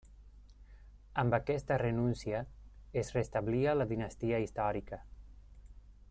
Amb aquesta renúncia es restablia la dinastia històrica.